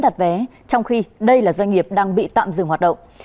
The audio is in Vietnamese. trong khi đây là doanh nghiệp đang bị tạm dừng hoạt động